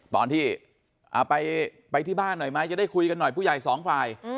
ตอนที่ไปที่บ้านหน่อยไหมจะได้คุยกันหน่อยผู้ใหญ่สองฝ่าย